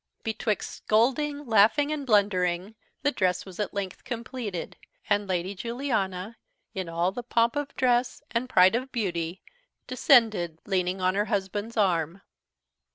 Betwixt scolding, laughing, and blundering, the dress was at length completed; and Lady Juliana, in all the pomp of dress and pride of beauty, descended, leaning on her husband's arm.